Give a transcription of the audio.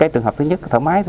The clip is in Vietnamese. trường hợp thứ nhất thở máy